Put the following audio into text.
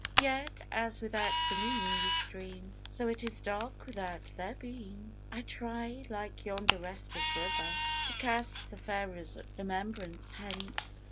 Yet, as without the moon yon stream, So is it d/rk without their beam ! I try, like yonder restive river, To cast the fair remembrance hence.